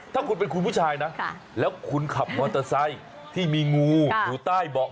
ถ้าคุณเป็นคุณผู้ชายนะแล้วคุณขับมอเตอร์ไซค์ที่มีงูอยู่ใต้เบาะ